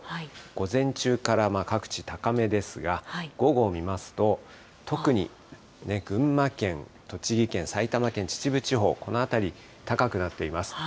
午前中から各地、高めですが、午後を見ますと、特に群馬県、栃木県、埼玉県秩父地方、この辺り、高くなっています。